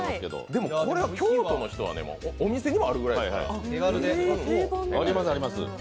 でもこれは京都の人はお店にもあるぐらいですから手軽でね。